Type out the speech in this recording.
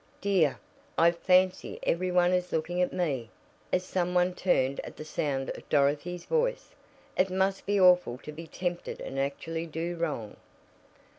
Dear, I fancy every one is looking at me!" as some one turned at the sound of Dorothy's voice. "It must be awful to be tempted and actually do wrong."